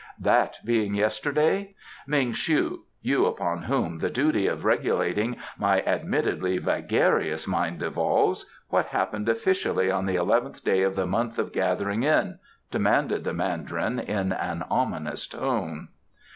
"That being yesterday? Ming shu, you upon whom the duty of regulating my admittedly vagarious mind devolves, what happened officially on the eleventh day of the Month of Gathering in?" demanded the Mandarin in an ominous tone.